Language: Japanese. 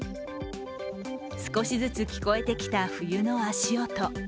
少しずつ聞こえてきた冬の足音。